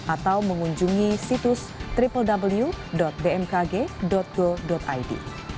atau mengunjungi situs www bmkg go id